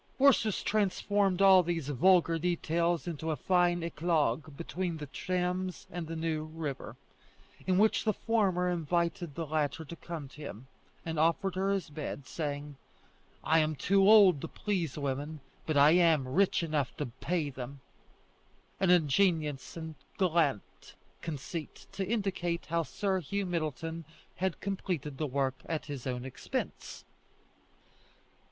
Ursus transformed all these vulgar details into a fine Eclogue between the Thames and the New River, in which the former invited the latter to come to him, and offered her his bed, saying, "I am too old to please women, but I am rich enough to pay them" an ingenious and gallant conceit to indicate how Sir Hugh Middleton had completed the work at his own expense.